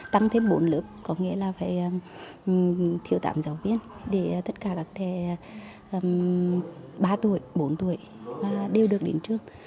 tăng thêm bốn lớp có nghĩa là phải thiếu tạm giáo viên để tất cả các trẻ ba tuổi bốn tuổi đều được đến trước